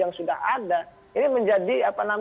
yang sudah ada ini menjadi